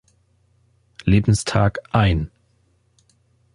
Lebenstag ein.